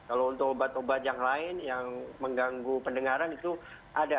kalau untuk obat obat yang lain yang mengganggu pendengaran itu ada